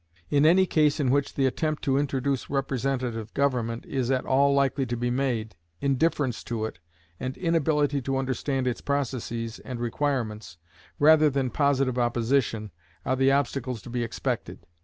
In any case in which the attempt to introduce representative government is at all likely to be made, indifference to it, and inability to understand its processes and requirements, rather than positive opposition, are the obstacles to be expected.